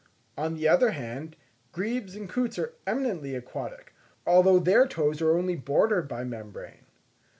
On the other hand, grebes and coots are eminently aquatic, although their toes are only bordered by membrane.